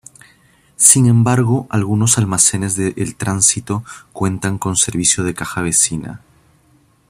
Sin embargo, algunos almacenes de El Tránsito cuentan con servicio de Caja Vecina.